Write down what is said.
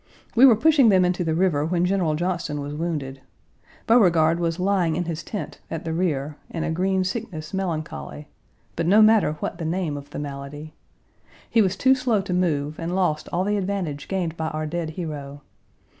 We were pushing them into the river when General Johnston was wounded. Beauregard was lying in his tent, at the rear, in a green sickness melancholy but no matter what the name of the malady. He was too slow to move, and lost all the advantage gained by our dead hero.